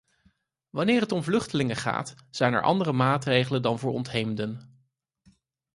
Wanneer het om vluchtelingen gaat zijn er andere maatregelen dan voor ontheemden.